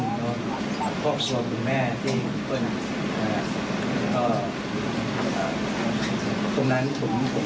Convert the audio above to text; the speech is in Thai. ผมเข้าใจว่าผมผิดแล้วก็ขอโทษทุกอย่าง